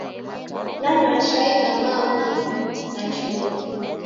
Nanywa chai na maamuri na chughu